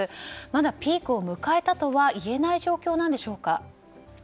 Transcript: まだピークを迎えたとはいえない状況なんでしょうか。